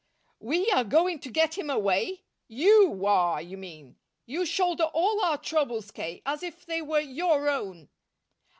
"WE are going to get him away! YOU are, you mean. You shoulder all our troubles, K., as if they were your own."